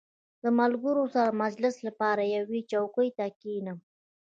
• د ملګرو سره د مجلس لپاره یوې چوکۍ ته کښېنه.